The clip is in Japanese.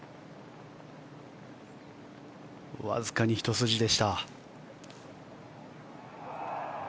わずかにひと筋でした。